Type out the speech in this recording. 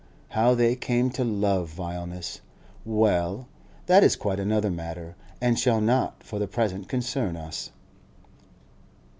How they came to love vileness, well, that is quite another matter, and shall not for the present concern us.